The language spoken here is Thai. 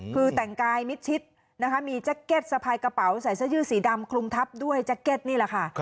คือแต่งกายมิดชิดนะคะมีแจ็คเก็ตสะพายกระเป๋าใส่เสื้อยืดสีดำคลุมทับด้วยแจ็คเก็ตนี่แหละค่ะ